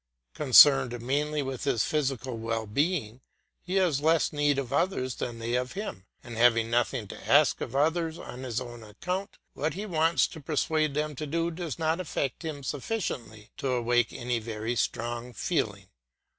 Concerned mainly with his physical well being, he has less need of others than they of him; and having nothing to ask of others on his own account, what he wants to persuade them to do does not affect him sufficiently to awake any very strong feeling.